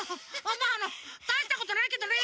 まああのたいしたことないけどね。